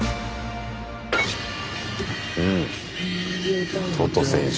うんトト選手。